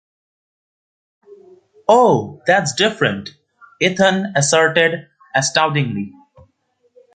"Oh, that's different," Ethan asserted astoundingly.